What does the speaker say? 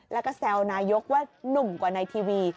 แล้วก็แซวนายกว่านุ่มกว่าในทีวี